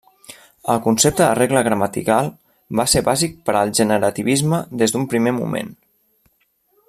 El concepte de regla gramatical va ser bàsic per al generativisme des d’un primer moment.